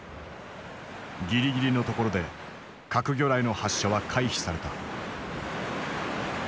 ギリギリのところで核魚雷の発射は回避された。